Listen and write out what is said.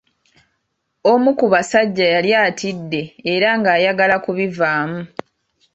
Omu ku basajja yali atidde era nga ayagala ku bivaamu.